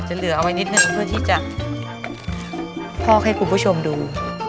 เหลือเอาไว้นิดนึงเพื่อที่จะพอกให้คุณผู้ชมดู